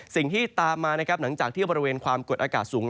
สิ่งที่ตามมานะครับหลังจากที่บริเวณความกดอากาศสูง